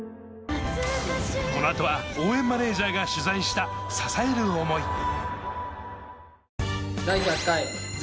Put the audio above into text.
この後は応援マネージャーが取材した支える想い。